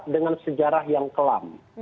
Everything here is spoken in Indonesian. dengan sejarah yang kelam